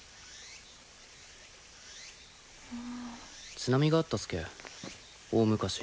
津波があったすけ大昔に。